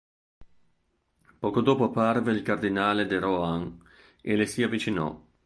Poco dopo apparve il cardinale de Rohan e le si avvicinò.